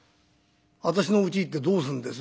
「私のうち行ってどうするんです？」。